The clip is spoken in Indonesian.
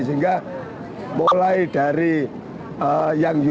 sehingga mulai dari yang uni